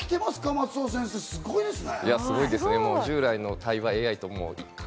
松尾先生、すごいですね。